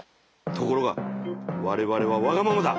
ところがわれわれはわがままだ！